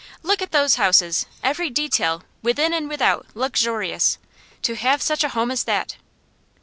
Look at those houses; every detail, within and without, luxurious. To have such a home as that!